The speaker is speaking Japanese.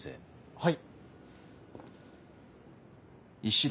はい。